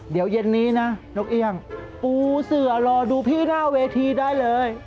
เดี๋ยวเย็นนี้นะนกเอี่ยงปูเสือรอดูพี่หน้าเวทีได้เลย